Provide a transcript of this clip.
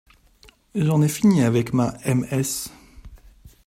J’en ai fini avec ma M.S.